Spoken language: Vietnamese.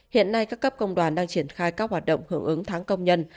hiện nay các cấp công đoàn đang triển khai các hoạt động hưởng ứng tháng công nhân